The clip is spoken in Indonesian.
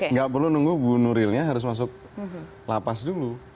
nggak perlu nunggu ibu nurilnya harus masuk lapas dulu